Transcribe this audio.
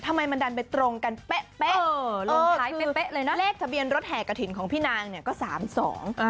ทำไมมันดันไปตรงกันเป๊ะเลขทะเบียนรถแห่กระถิ่นของพี่นางเนี่ยก็สามสอง